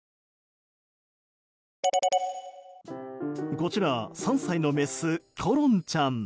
こちらの３歳のメスコロンちゃん。